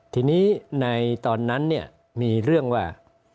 ทีนี้ในตอนนั้นเนี่ยมีเรื่องว่า